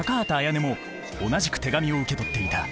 やねも同じく手紙を受け取っていた